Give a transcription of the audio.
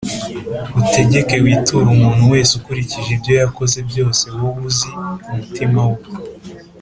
utegeke witure umuntu wese ukurikije ibyo yakoze byose wowe uzi umutima we